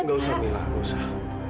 enggak usah mila enggak usah